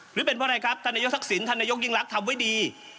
หรือเป็นเพราะอะไรครับธนยกทักษิณธนยกยิ่งลักษณ์ทำไว้ดี